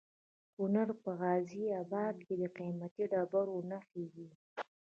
د کونړ په غازي اباد کې د قیمتي ډبرو نښې دي.